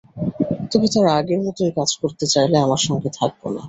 তবে তারা আগের মতোই কাজ করতে চাইলে, আমরা সঙ্গে থাকব না।